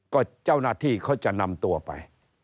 ก็เจ้าหน้าที่เขาจะนำตัวไป